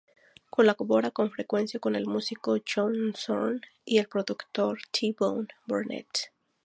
Colabora con frecuencia con el músico John Zorn y el productor T Bone Burnett.